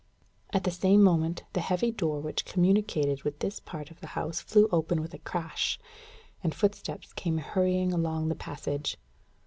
At the same moment, the heavy door which communicated with this part of the house flew open with a crash, and footsteps came hurrying along the passage.